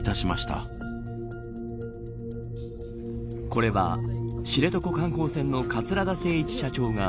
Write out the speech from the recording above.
これは知床観光船の桂田精一社長が